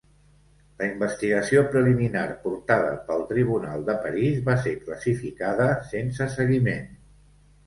La investigació preliminar portada pel tribunal de París va ser classificada sense seguiment.